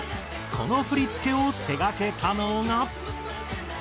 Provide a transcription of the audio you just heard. この振付を手がけたのが。